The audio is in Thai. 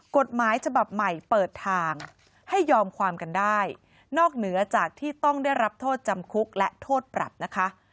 กฎหมายฉบับใหม่เปิดทางให้ยอมความกันได้นอกเหนือจากที่ต้องได้รับโทษจำคุกและโทษปรับนะคะ